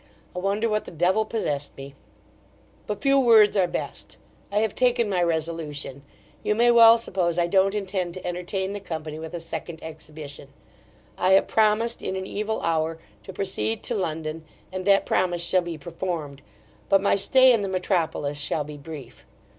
I wonder what the devil possessed me But few words are best: I have taken my resolution You may well suppose I don't intend to entertain the company with a second exhibition I have promised, in an evil hour, to proceed to London, and that promise shall be performed, but my stay in the metropolis shall be brief.